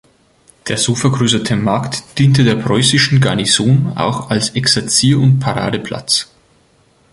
Der so vergrößerte Markt diente der preußischen Garnison auch als Exerzier- und Parade-Platz.